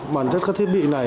bản thân các thiết bị này